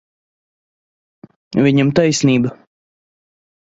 Viņam taisnība.